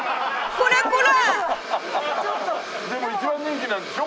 でも一番人気なんでしょ？